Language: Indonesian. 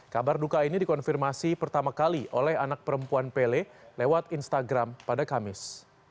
kabar duka ini dikonfirmasi pertama kali oleh anak perempuan pele lewat instagram pada kamis